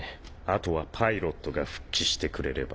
△箸パイロットが復帰してくれれば。